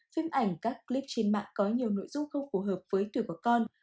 phim ảnh các clip trên mạng có nhiều nội dung không phù hợp với tuổi của con